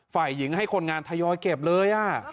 ฝ่ายหญิงให้คนงานทยอยเก็บเลย